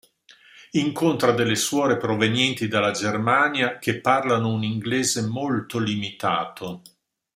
Incontra delle suore provenienti dalla Germania, che parlano un inglese molto limitato.